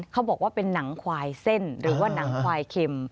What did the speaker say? เขาบอกว่าเป็นหนังควายเส้นหรือว่าหนังควายเค็ม